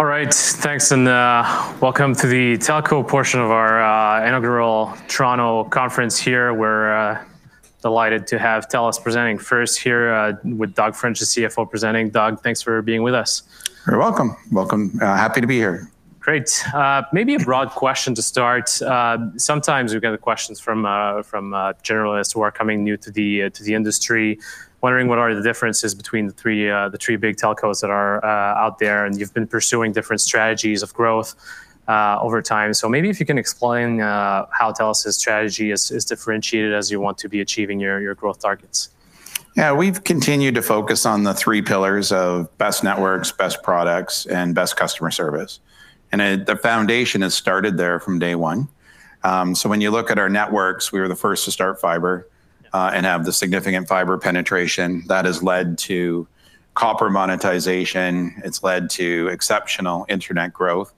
All right, thanks. Welcome to the telco portion of our inaugural Toronto conference here. We're delighted to have TELUS presenting first here with Doug French, the CFO, presenting. Doug, thanks for being with us. You're welcome. Welcome. Happy to be here. Great. Maybe a broad question to start. Sometimes we get the questions from generalists who are coming new to the industry, wondering what are the differences between the three big telcos that are out there. You've been pursuing different strategies of growth over time. Maybe if you can explain how TELUS's strategy is differentiated as you want to be achieving your growth targets. Yeah, we've continued to focus on the three pillars of best networks, best products, and best customer service. The foundation has started there from day one. When you look at our networks, we were the first to start fibre and have the significant fibre penetration. That has led to copper monetization. It has led to exceptional internet growth.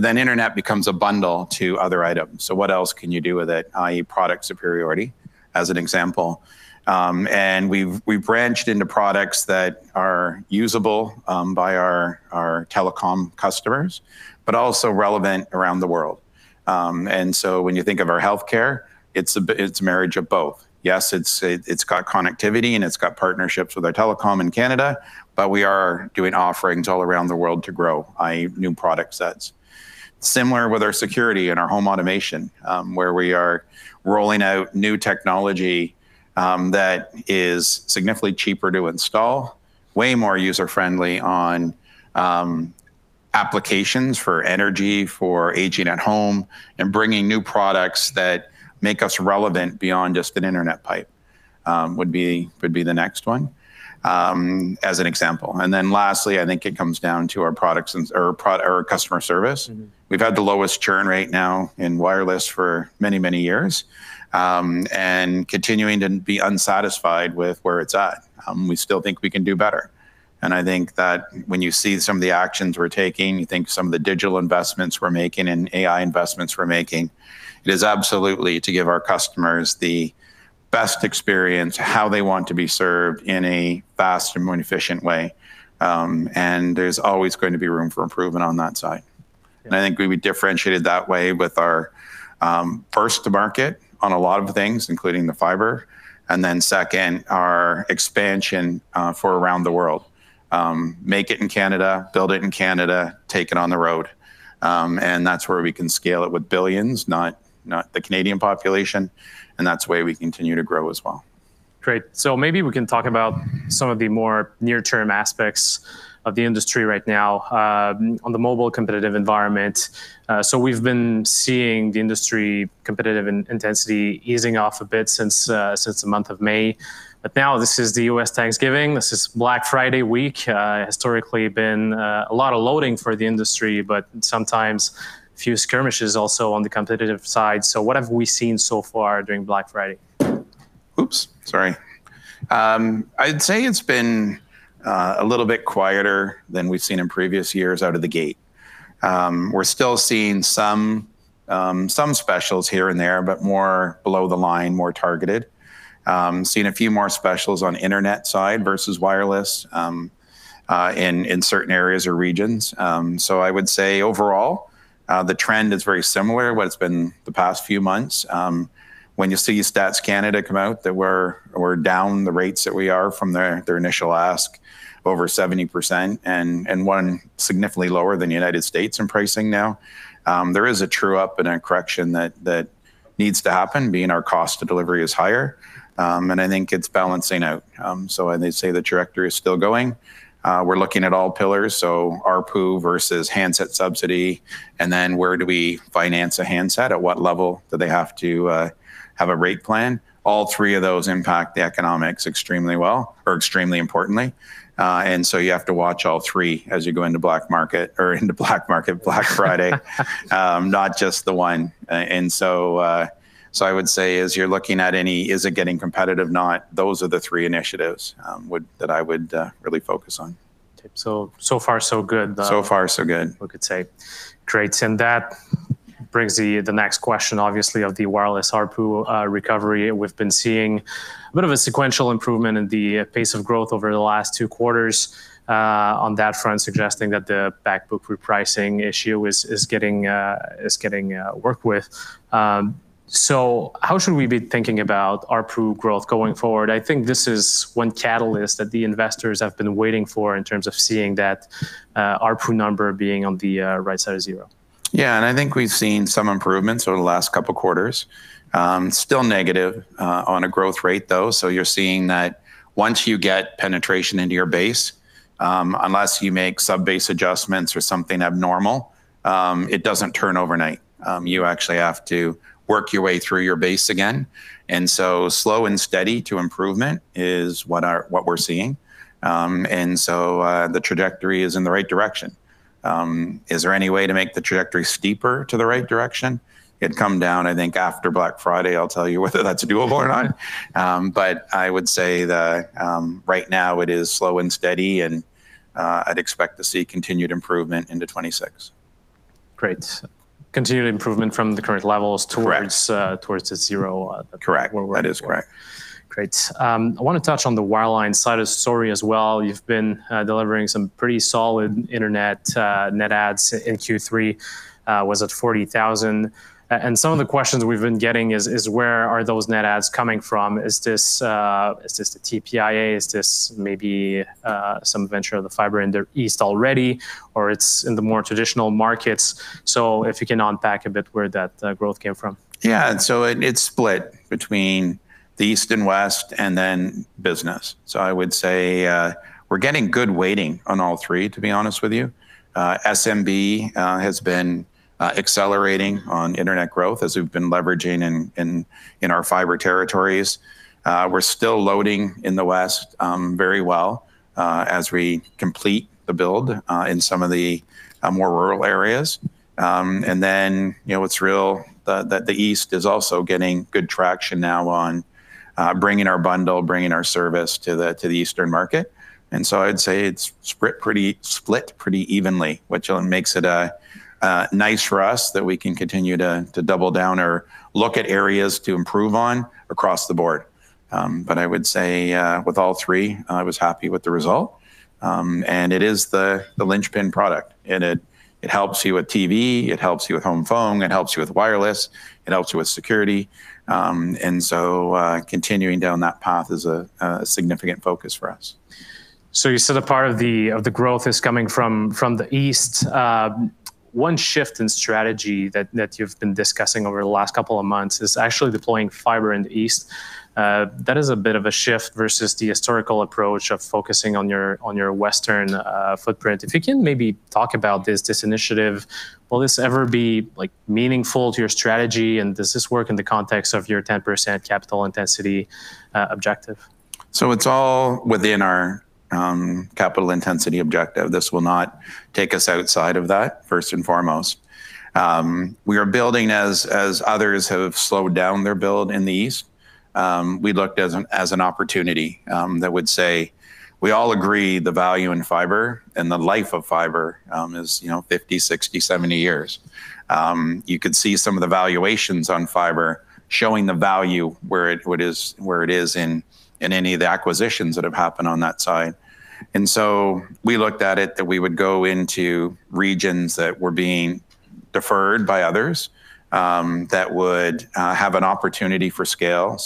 Internet becomes a bundle to other items. What else can you do with it, i.e., product superiority, as an example. We have branched into products that are usable by our telecom customers, but also relevant around the world. When you think of our health care, it is a marriage of both. Yes, it has connectivity and it has partnerships with our telecom in Canada. We are doing offerings all around the world to grow, i.e., new product sets. Similar with our security and our home automation, where we are rolling out new technology that is significantly cheaper to install, way more user-friendly on applications for energy, for aging at home, and bringing new products that make us relevant beyond just an internet pipe would be the next one, as an example. Lastly, I think it comes down to our products and our customer service. We've had the lowest churn rate now in wireless for many, many years, and continuing to be unsatisfied with where it's at. We still think we can do better. I think that when you see some of the actions we're taking, you think some of the digital investments we're making and AI investments we're making, it is absolutely to give our customers the best experience, how they want to be served in a fast and more efficient way. There is always going to be room for improvement on that side. I think we have differentiated that way with our first to market on a lot of things, including the fibre. Second, our expansion for around the world. Make it in Canada, build it in Canada, take it on the road. That is where we can scale it with billions, not the Canadian population. That is the way we continue to grow as well. Great. Maybe we can talk about some of the more near-term aspects of the industry right now on the mobile competitive environment. We have been seeing the industry competitive intensity easing off a bit since the month of May. Now this is the U.S. Thanksgiving. This is Black Friday week. Historically, it has been a lot of loading for the industry, but sometimes a few skirmishes also on the competitive side. What have we seen so far during Black Friday? Oops, sorry. I'd say it's been a little bit quieter than we've seen in previous years out of the gate. We're still seeing some specials here and there, but more below the line, more targeted. Seen a few more specials on the internet side versus wireless in certain areas or regions. I would say overall, the trend is very similar to what it's been the past few months. When you see Statistics Canada come out that we're down the rates that we are from their initial ask, over 70%, and one significantly lower than the United States in pricing now. There is a true up and a correction that needs to happen, being our cost of delivery is higher. I think it's balancing out. I'd say the trajectory is still going. We're looking at all pillars. ARPU versus handset subsidy. Where do we finance a handset? At what level do they have to have a rate plan? All three of those impact the economics extremely well, or extremely importantly. You have to watch all three as you go into Black Friday, not just the one. I would say as you're looking at any, is it getting competitive or not, those are the three initiatives that I would really focus on. So far, so good. So far, so good. We could say. Great. That brings the next question, obviously, of the wireless ARPU recovery. We've been seeing a bit of a sequential improvement in the pace of growth over the last two quarters on that front, suggesting that the backbook repricing issue is getting worked with. How should we be thinking about ARPU growth going forward? I think this is one catalyst that the investors have been waiting for in terms of seeing that ARPU number being on the right side of zero. Yeah, and I think we've seen some improvements over the last couple of quarters. Still negative on a growth rate, though. You're seeing that once you get penetration into your base, unless you make subbase adjustments or something abnormal, it doesn't turn overnight. You actually have to work your way through your base again. Slow and steady to improvement is what we're seeing. The trajectory is in the right direction. Is there any way to make the trajectory steeper to the right direction? It'd come down, I think, after Black Friday. I'll tell you whether that's doable or not. I would say that right now it is slow and steady. I'd expect to see continued improvement into 2026. Great. Continued improvement from the current levels towards zero. Correct. That is correct. Great. I want to touch on the wireline side of story as well. You've been delivering some pretty solid internet ads in Q3. Was it 40,000? And some of the questions we've been getting is where are those net ads coming from? Is this the TPIA? Is this maybe some venture of the fibre in the East already? Or it's in the more traditional markets? If you can unpack a bit where that growth came from. Yeah, so it's split between the East and West and then business. I would say we're getting good weighting on all three, to be honest with you. SMB has been accelerating on internet growth as we've been leveraging in our fibre territories. We're still loading in the West very well as we complete the build in some of the more rural areas. It's real that the East is also getting good traction now on bringing our bundle, bringing our service to the Eastern market. I'd say it's split pretty evenly, which makes it nice for us that we can continue to double down or look at areas to improve on across the board. I would say with all three, I was happy with the result. It is the linchpin product. It helps you with TV. It helps you with home phone. It helps you with wireless. It helps you with security. Continuing down that path is a significant focus for us. You said a part of the growth is coming from the East. One shift in strategy that you've been discussing over the last couple of months is actually deploying fibre in the East. That is a bit of a shift versus the historical approach of focusing on your Western footprint. If you can maybe talk about this initiative, will this ever be meaningful to your strategy? Does this work in the context of your 10% capital intensity objective? It is all within our capital intensity objective. This will not take us outside of that, first and foremost. We are building, as others have slowed down their build in the East. We looked as an opportunity that would say we all agree the value in fibre and the life of fibre is 50 years, 60 years, 70 years. You could see some of the valuations on fibre showing the value where it is in any of the acquisitions that have happened on that side. We looked at it that we would go into regions that were being deferred by others that would have an opportunity for scale.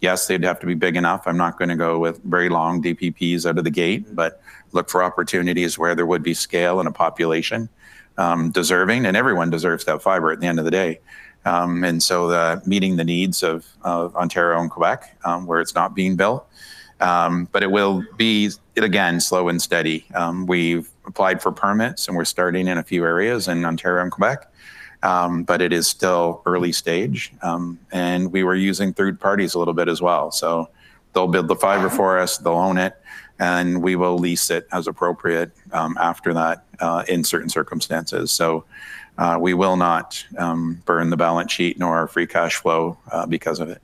Yes, they would have to be big enough. I am not going to go with very long DPPs out of the gate, but look for opportunities where there would be scale and a population deserving. Everyone deserves that fibre at the end of the day. Meeting the needs of Ontario and Quebec, where it's not being built, it will be, again, slow and steady. We've applied for permits, and we're starting in a few areas in Ontario and Quebec. It is still early stage. We were using third parties a little bit as well. They'll build the fibre for us, they'll own it, and we will lease it as appropriate after that in certain circumstances. We will not burn the balance sheet nor our free cash flow because of it.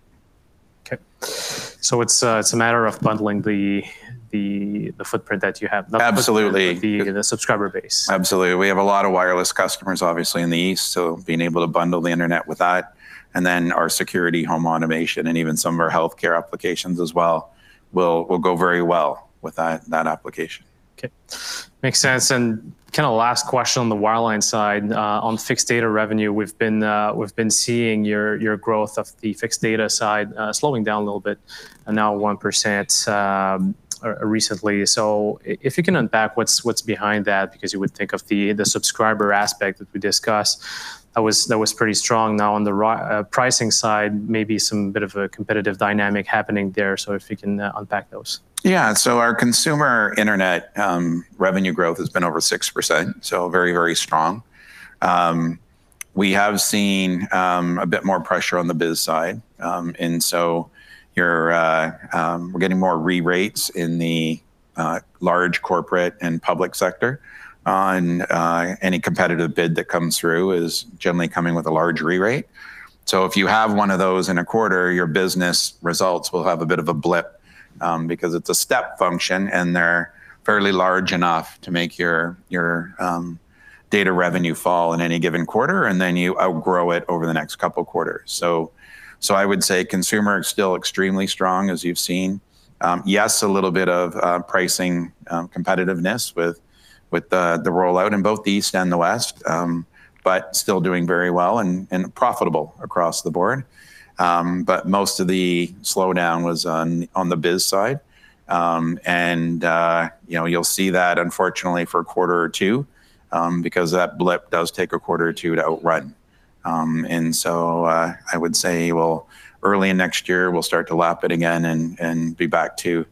Okay. It is a matter of bundling the footprint that you have. Absolutely. The subscriber base. Absolutely. We have a lot of wireless customers, obviously, in the East. Being able to bundle the internet with that, and then our security, home automation, and even some of our health care applications as well will go very well with that application. Okay. Makes sense. Kind of last question on the wireline side. On fixed data revenue, we've been seeing your growth of the fixed data side slowing down a little bit, now 1% recently. If you can unpack what's behind that, because you would think of the subscriber aspect that we discussed, that was pretty strong. On the pricing side, maybe some bit of a competitive dynamic happening there. If you can unpack those. Yeah. Our consumer internet revenue growth has been over 6%. Very, very strong. We have seen a bit more pressure on the biz side. We are getting more re-rates in the large corporate and public sector. Any competitive bid that comes through is generally coming with a large re-rate. If you have one of those in a quarter, your business results will have a bit of a blip because it is a step function. They are fairly large enough to make your data revenue fall in any given quarter. You outgrow it over the next couple of quarters. I would say consumer is still extremely strong, as you have seen. Yes, a little bit of pricing competitiveness with the rollout in both the East and the West, but still doing very well and profitable across the board. Most of the slowdown was on the biz side. You'll see that, unfortunately, for a quarter or two, because that blip does take a quarter or two to outrun. I would say early next year, we'll start to lap it again and be back to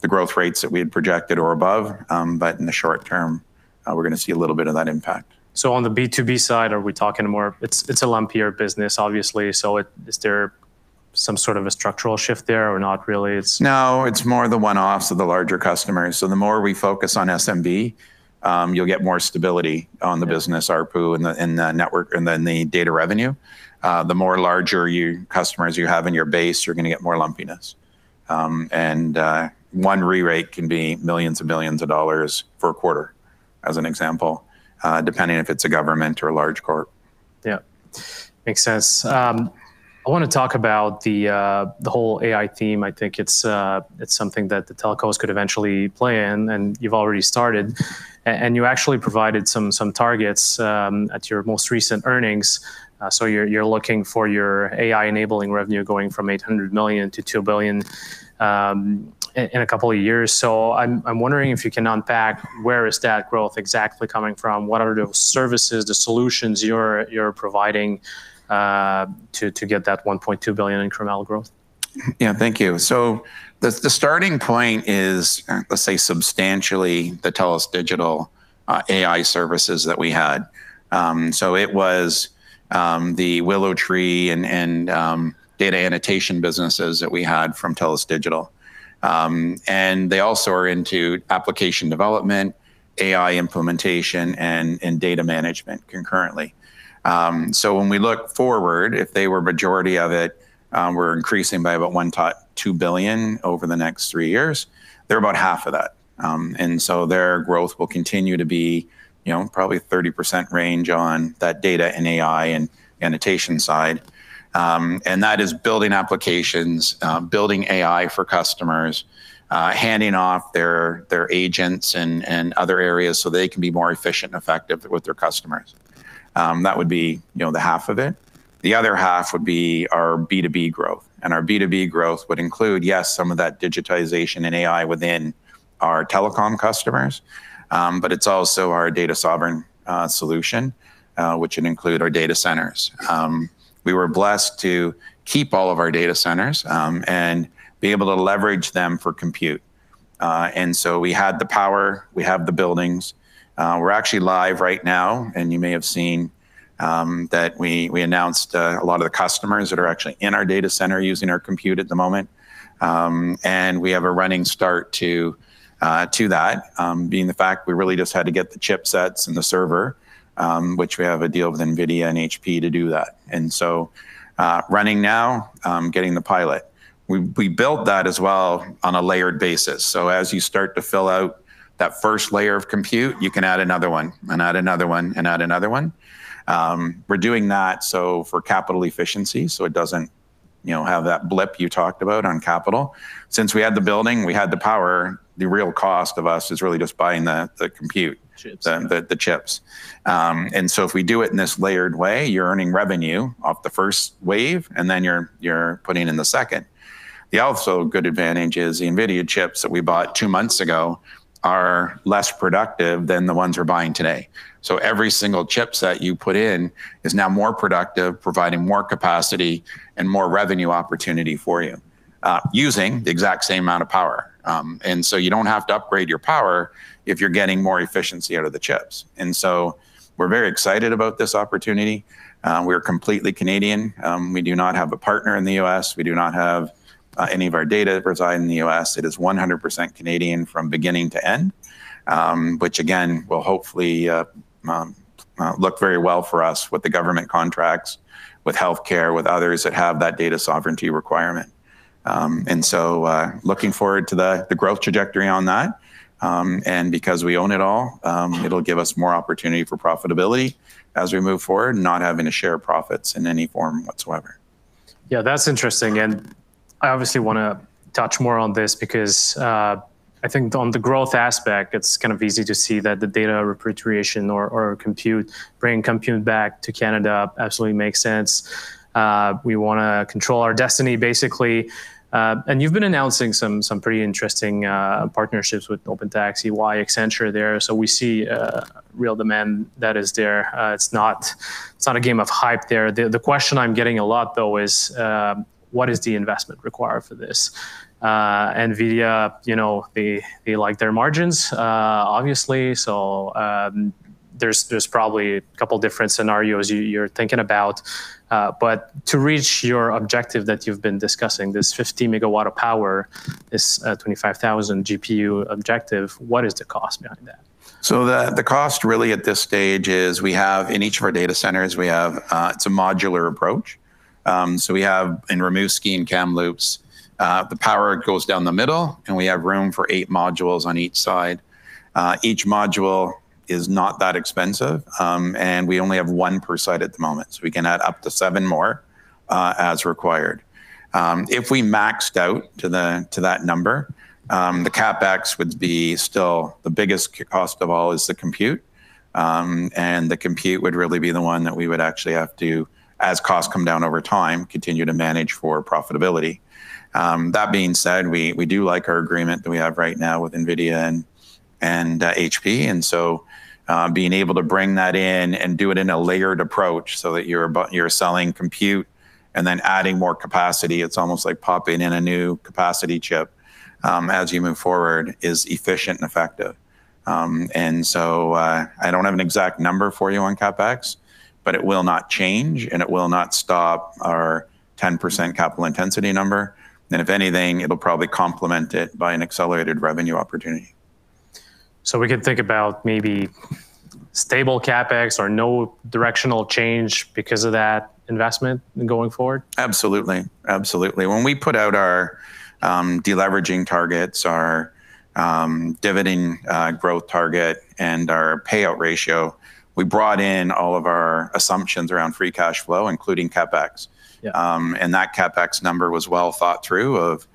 the growth rates that we had projected or above. In the short term, we're going to see a little bit of that impact. On the B2B side, are we talking more it's a lumpier business, obviously. Is there some sort of a structural shift there or not really? No, it's more the one-offs of the larger customers. The more we focus on SMB, you'll get more stability on the business, ARPU, and the network and then the data revenue. The more larger customers you have in your base, you're going to get more lumpiness. One re-rate can be millions and millions of dollars for a quarter, as an example, depending if it's a government or a large corp. Yeah. Makes sense. I want to talk about the whole AI theme. I think it's something that the telcos could eventually play in. You've already started. You actually provided some targets at your most recent earnings. You're looking for your AI-enabling revenue going from $800 million-$2 billion in a couple of years. I'm wondering if you can unpack where is that growth exactly coming from? What are the services, the solutions you're providing to get that $1.2 billion incremental growth? Yeah, thank you. The starting point is, let's say, substantially the TELUS Digital AI services that we had. It was the WillowTree and data annotation businesses that we had from TELUS Digital. They also are into application development, AI implementation, and data management concurrently. When we look forward, if they were majority of it, we are increasing by about $1.2 billion over the next three years. They are about half of that. Their growth will continue to be probably 30% range on that data and AI and annotation side. That is building applications, building AI for customers, handing off their agents and other areas so they can be more efficient and effective with their customers. That would be the half of it. The other half would be our B2B growth. Our B2B growth would include, yes, some of that digitization and AI within our telecom customers. It is also our data sovereign solution, which would include our data centers. We were blessed to keep all of our data centers and be able to leverage them for compute. We had the power. We have the buildings. We are actually live right now. You may have seen that we announced a lot of the customers that are actually in our data center using our compute at the moment. We have a running start to that, being the fact we really just had to get the chipsets and the server, which we have a deal with NVIDIA and HP to do that. We are running now, getting the pilot. We built that as well on a layered basis. As you start to fill out that first layer of compute, you can add another one and add another one and add another one. We're doing that for capital efficiency, so it does not have that blip you talked about on capital. Since we had the building, we had the power. The real cost for us is really just buying the compute, the chips. If we do it in this layered way, you're earning revenue off the first wave, and then you're putting in the second. The also good advantage is the NVIDIA chips that we bought two months ago are less productive than the ones we're buying today. Every single chipset you put in is now more productive, providing more capacity and more revenue opportunity for you using the exact same amount of power. You do not have to upgrade your power if you're getting more efficiency out of the chips. We are very excited about this opportunity. We are completely Canadian. We do not have a partner in the U.S. We do not have any of our data residing in the U.S. It is 100% Canadian from beginning to end, which, again, will hopefully look very well for us with the government contracts, with health care, with others that have that data sovereignty requirement. Looking forward to the growth trajectory on that. Because we own it all, it will give us more opportunity for profitability as we move forward, not having to share profits in any form whatsoever. Yeah, that's interesting. I obviously want to touch more on this because I think on the growth aspect, it's kind of easy to see that the data repatriation or compute, bringing compute back to Canada absolutely makes sense. We want to control our destiny, basically. You have been announcing some pretty interesting partnerships with OpenAI, EY, Accenture there. We see real demand that is there. It's not a game of hype there. The question I'm getting a lot, though, is what is the investment required for this? NVIDIA, they like their margins, obviously. There are probably a couple of different scenarios you're thinking about. To reach your objective that you've been discussing, this 50 MW of power, this 25,000 GPU objective, what is the cost behind that? The cost really at this stage is we have in each of our data centers, it's a modular approach. We have in Rimouski and Kamloops, the power goes down the middle, and we have room for eight modules on each side. Each module is not that expensive. We only have one per site at the moment. We can add up to seven more as required. If we maxed out to that number, the CapEx would be still the biggest cost of all. The compute would really be the one that we would actually have to, as costs come down over time, continue to manage for profitability. That being said, we do like our agreement that we have right now with NVIDIA and HP. Being able to bring that in and do it in a layered approach so that you're selling compute and then adding more capacity, it's almost like popping in a new capacity chip as you move forward is efficient and effective. I don't have an exact number for you on CapEx, but it will not change, and it will not stop our 10% capital intensity number. If anything, it'll probably complement it by an accelerated revenue opportunity. We can think about maybe stable CapEx or no directional change because of that investment going forward? Absolutely. Absolutely. When we put out our deleveraging targets, our dividend growth target, and our payout ratio, we brought in all of our assumptions around free cash flow, including CapEx. That CapEx number was well thought through of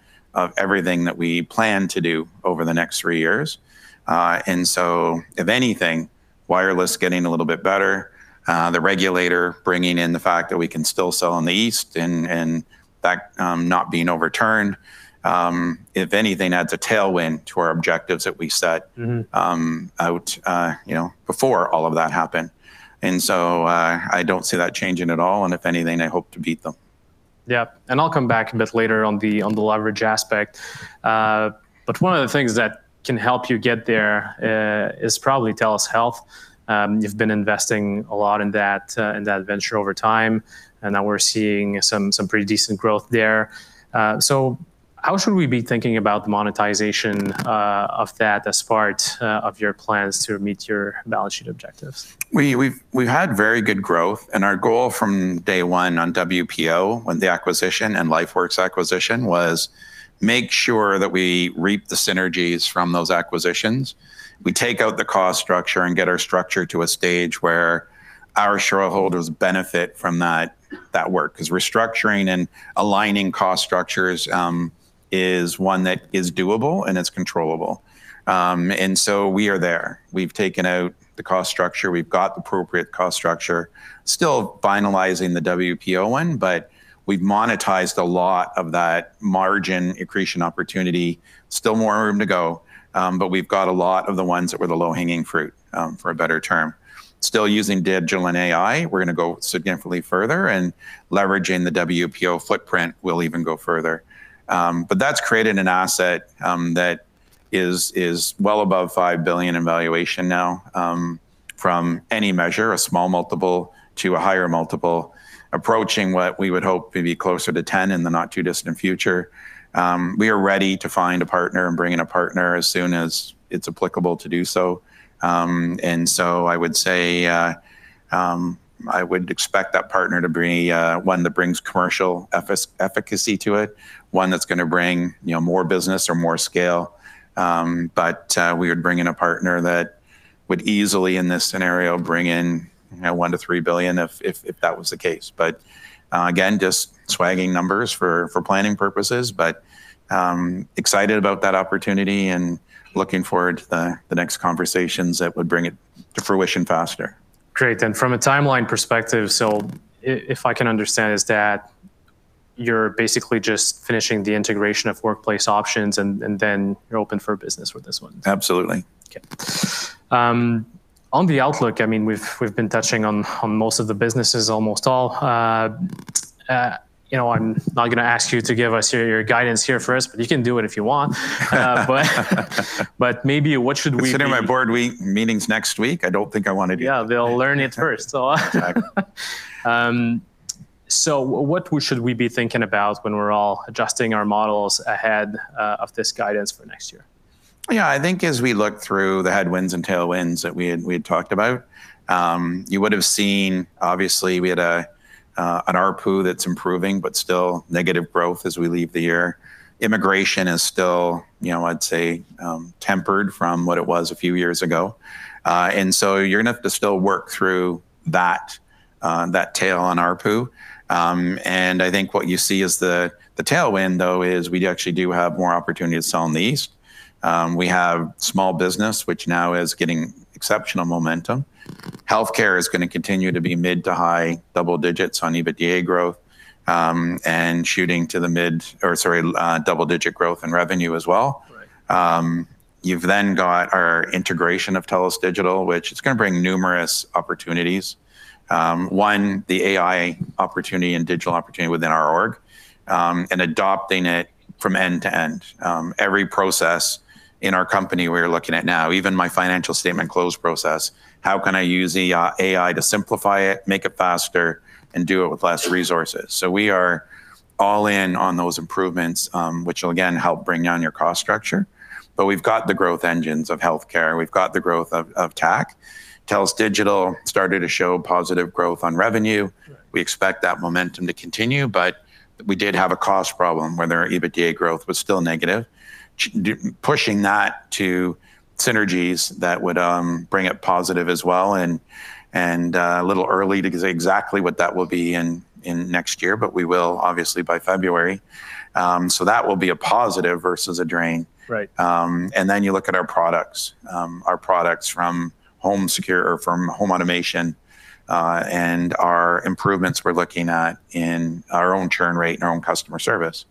everything that we plan to do over the next three years. If anything, wireless getting a little bit better, the regulator bringing in the fact that we can still sell in the East and that not being overturned, if anything, adds a tailwind to our objectives that we set out before all of that happened. I do not see that changing at all. If anything, I hope to beat them. Yeah. I'll come back a bit later on the leverage aspect. One of the things that can help you get there is probably TELUS Health. You've been investing a lot in that venture over time, and now we're seeing some pretty decent growth there. How should we be thinking about the monetization of that as part of your plans to meet your balance sheet objectives? We've had very good growth. Our goal from day one on WPO, when the acquisition and LifeWorks acquisition was, make sure that we reap the synergies from those acquisitions. We take out the cost structure and get our structure to a stage where our shareholders benefit from that work. Restructuring and aligning cost structures is one that is doable and is controllable. We are there. We've taken out the cost structure. We've got the appropriate cost structure. Still finalizing the WPO one, but we've monetized a lot of that margin accretion opportunity. Still more room to go. We've got a lot of the ones that were the low-hanging fruit, for a better term. Still using Digital and AI. We're going to go significantly further. Leveraging the WPO footprint will even go further. That's created an asset that is well above $5 billion in valuation now from any measure, a small multiple to a higher multiple, approaching what we would hope to be closer to $10 billion in the not too distant future. We are ready to find a partner and bring in a partner as soon as it's applicable to do so. I would say I would expect that partner to be one that brings commercial efficacy to it, one that's going to bring more business or more scale. We would bring in a partner that would easily, in this scenario, bring in $1 billion-$3 billion if that was the case. Again, just swagging numbers for planning purposes. Excited about that opportunity and looking forward to the next conversations that would bring it to fruition faster. Great. From a timeline perspective, if I can understand, is that you're basically just finishing the integration of Workplace Options, and then you're open for business with this one? Absolutely. On the outlook, I mean, we've been touching on most of the businesses, almost all. I'm not going to ask you to give us your guidance here for us, but you can do it if you want. Maybe what should we? I'm sending my board meetings next week. I don't think I want to do that. Yeah, they'll learn it first. What should we be thinking about when we're all adjusting our models ahead of this guidance for next year? Yeah, I think as we look through the headwinds and tailwinds that we had talked about, you would have seen, obviously, we had an ARPU that's improving, but still negative growth as we leave the year. Immigration is still, I'd say, tempered from what it was a few years ago. You're going to have to still work through that tail on ARPU. I think what you see as the tailwind, though, is we actually do have more opportunities on the East. We have small business, which now is getting exceptional momentum. Health care is going to continue to be mid to high double digits on EBITDA growth and shooting to the mid or, sorry, double digit growth in revenue as well. You've then got our integration of TELUS Digital, which is going to bring numerous opportunities. One, the AI opportunity and digital opportunity within our org and adopting it from end to end. Every process in our company we are looking at now, even my financial statement close process, how can I use the AI to simplify it, make it faster, and do it with less resources? We are all in on those improvements, which will, again, help bring down your cost structure. We have the growth engines of health care. We have the growth of tech. TELUS Digital started to show positive growth on revenue. We expect that momentum to continue. We did have a cost problem where their EBITDA growth was still negative. Pushing that to synergies that would bring it positive as well. It is a little early to say exactly what that will be in next year, but we will, obviously, by February. That will be a positive versus a drain. You look at our products, our products from home security or from home automation and our improvements we're looking at in our own churn rate and our own customer service.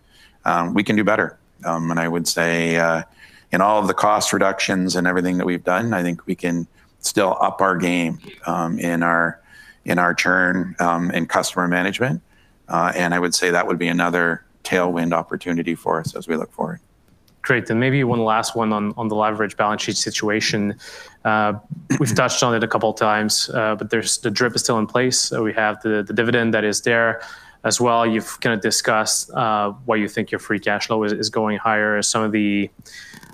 We can do better. I would say in all of the cost reductions and everything that we've done, I think we can still up our game in our churn and customer management. I would say that would be another tailwind opportunity for us as we look forward. Great. Maybe one last one on the leverage balance sheet situation. We've touched on it a couple of times, but the DRIP is still in place. We have the dividend that is there as well. You've kind of discussed why you think your free cash flow is going higher. Some of the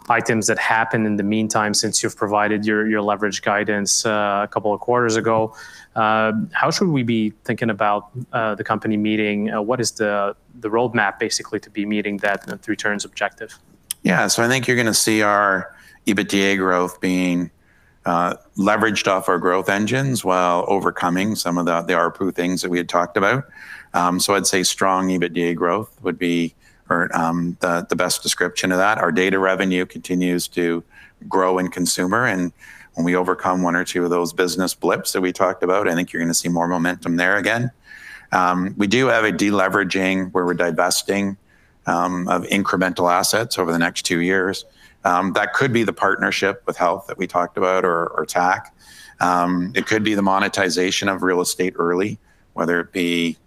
items that happened in the meantime since you've provided your leverage guidance a couple of quarters ago. How should we be thinking about the company meeting? What is the roadmap, basically, to be meeting that returns objective? Yeah. I think you're going to see our EBITDA growth being leveraged off our growth engines while overcoming some of the ARPU things that we had talked about. I'd say strong EBITDA growth would be the best description of that. Our data revenue continues to grow in consumer. When we overcome one or two of those business blips that we talked about, I think you're going to see more momentum there again. We do have a deleveraging where we're divesting of incremental assets over the next two years. That could be the partnership with health that we talked about or tech. It could be the monetization of real estate early, whether it be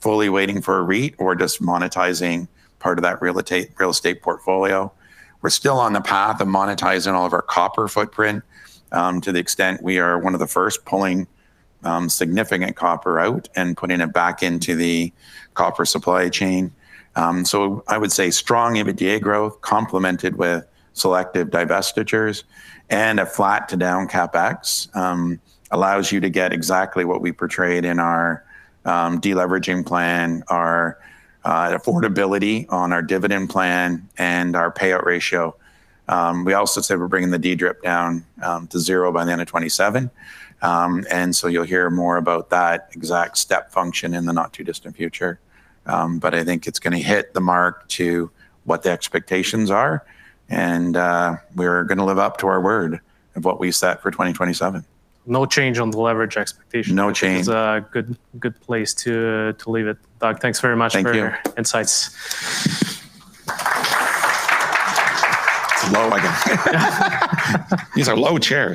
fully waiting for a REIT or just monetizing part of that real estate portfolio. We're still on the path of monetizing all of our copper footprint to the extent we are one of the first pulling significant copper out and putting it back into the copper supply chain. I would say strong EBITDA growth complemented with selective divestitures and a flat to down CapEx allows you to get exactly what we portrayed in our deleveraging plan, our affordability on our dividend plan, and our payout ratio. We also said we're bringing the DDRIP down to zero by the end of 2027. You will hear more about that exact step function in the not too distant future. I think it's going to hit the mark to what the expectations are. We're going to live up to our word of what we set for 2027. No change on the leverage expectation. No change. Good place to leave it. Doug, thanks very much for your insights. Slow again. These are low chairs.